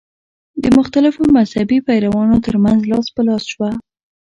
د مختلفو مذهبي پیروانو تر منځ لاس په لاس شوه.